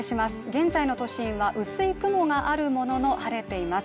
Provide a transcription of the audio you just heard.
現在の都心は薄い雲があるものの晴れています。